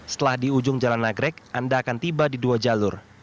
setelah di ujung jalan nagrek anda akan tiba di dua jalur